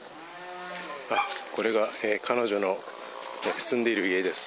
これが彼女の住んでいる家です。